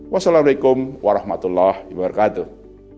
wassalamu alaikum warahmatullah wabarakatuh